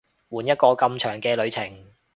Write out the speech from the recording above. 換一個咁長嘅旅程